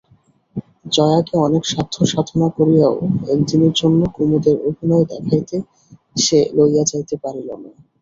জয়াকে অনেক সাধ্যসাধনা করিয়াও একদিনের জন্য কুমুদের অভিনয় দেখাইতে সে লইয়া যাইতে পারিল না।